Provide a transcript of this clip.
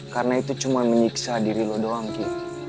karena itu cuma menyiksa diri lo doang ki